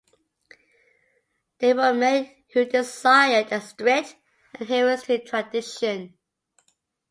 There were many who desired a strict adherence to tradition.